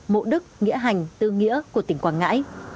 mộ đức nghĩa hành tư nghĩa của tỉnh quảng ngãi